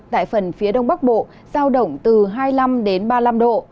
tại phần phía đông bắc bộ giao động từ hai mươi năm đến ba mươi năm độ